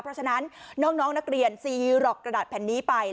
เพราะฉะนั้นน้องนักเรียนซีหรอกกระดาษแผ่นนี้ไป